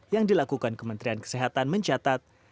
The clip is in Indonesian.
yang dilakukan kementerian kesehatan mencatat